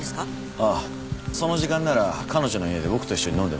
ああその時間なら彼女の家で僕と一緒に飲んでました。